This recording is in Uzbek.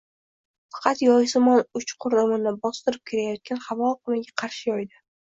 faqat yoysimon uchqur dumini bostirib kelayotgan havo oqimiga qarshi yoydi